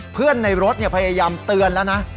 เพื่อนในรถพยายามเตือนแล้วนะ